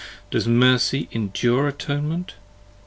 does Mercy endure Atonement?